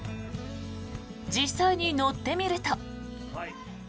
実際に乗ってみると。